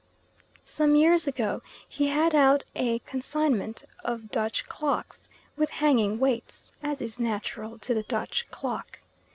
Some years ago he had out a consignment of Dutch clocks with hanging weights, as is natural to the Dutch clock.